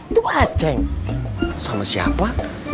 itu aceng sama siapa